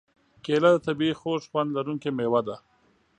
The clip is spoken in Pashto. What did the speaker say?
کېله د طبعیي خوږ خوند لرونکې مېوه ده.